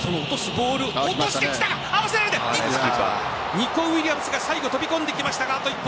ニコウィリアムズが最後飛び込んできましたがあと一歩。